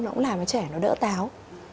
nó cũng làm cho trẻ đỡ táo